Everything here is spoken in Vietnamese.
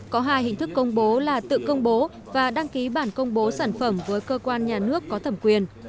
có hai hình thức công bố là tự công bố và đăng ký bản công bố sản phẩm với cơ quan nhà nước có thẩm quyền